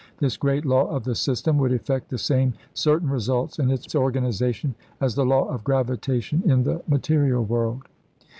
This great law of the system would effect the same certain results in its organization as the law of gravitation in the material world."